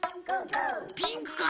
ピンクか？